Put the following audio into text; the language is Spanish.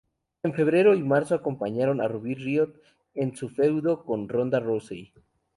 En febrero y marzo, acompañaron a Ruby Riott en su feudo con Ronda Rousey.